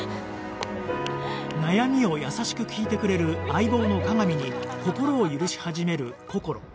悩みを優しく聞いてくれる相棒の加賀美に心を許し始めるこころ